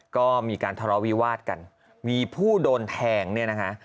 ก็มีการทะเลาะวิวาดกันมีผู้โดนแทงเนี่ยนะคะ